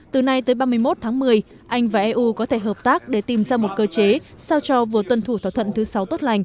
từ nay tới ba mươi một tháng một mươi anh và eu có thể hợp tác để tìm ra một cơ chế sao cho vừa tuân thủ thỏa thuận thứ sáu tốt lành